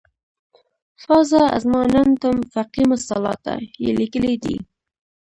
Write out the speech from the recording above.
"فاذا اظماننتم فاقیموالصلواته" یې لیکلی دی.